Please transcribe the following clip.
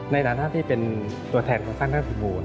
ในฐานะที่เป็นตัวแทนของสร้างหน้าผิดบุญ